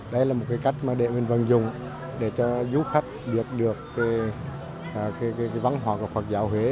đây là một cách để mình vận dụng để giúp khách biết được văn hóa của phật giáo huế